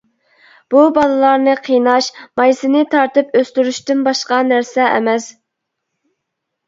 بۇ بالىلارنى قىيناش، مايسىنى تارتىپ ئۆستۈرۈشتىن باشقا نەرسە ئەمەس.